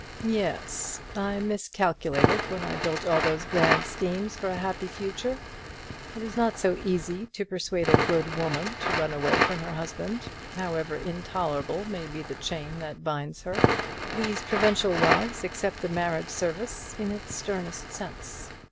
"Yes; I miscalculated when I built all those grand schemes for a happy future. It is not so easy to persuade a good woman to run away from her husband, however intolerable may be the chain that binds her to him. These provincial wives accept the marriage service in its sternest sense.